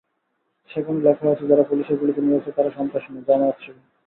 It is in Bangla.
সেখানে লেখা হয়েছে, যারা পুলিশের গুলিতে নিহত হয়েছে, তারা সন্ত্রাসী না, জামায়াত-শিবির।